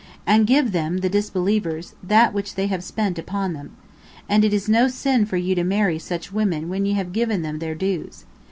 And give them (the disbelievers) that which they have spent (upon them). And it is no sin for you to marry such women when ye have given them their dues.